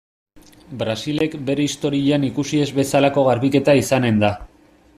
Brasilek bere historian ikusi ez bezalako garbiketa izanen da.